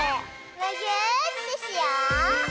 むぎゅーってしよう！